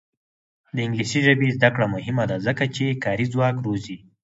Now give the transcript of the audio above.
د انګلیسي ژبې زده کړه مهمه ده ځکه چې کاري ځواک روزي.